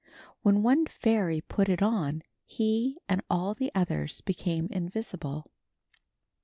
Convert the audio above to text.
When one fairy put it on, he and all the others became invisible.